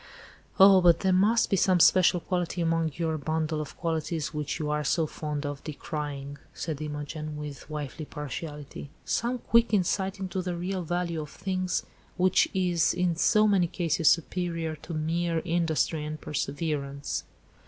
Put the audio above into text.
"Oh! but there must be some special quality among your bundle of qualities which you are so fond of decrying," said Imogen, with wifely partiality; "some quick insight into the real value of things, which is in so many cases superior to mere industry and perseverance."